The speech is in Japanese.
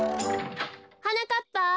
はなかっぱ。